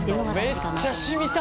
めっちゃしみた！